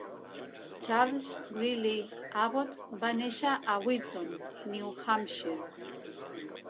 Charles Greeley Abbot va néixer a Wilton, New Hampshire.